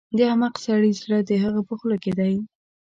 د احمق سړي زړه د هغه په خوله کې دی.